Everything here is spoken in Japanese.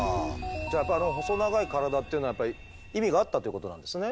じゃああの細長い体っていうのはやっぱり意味があったということなんですね。